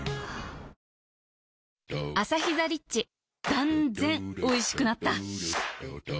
断然おいしくなった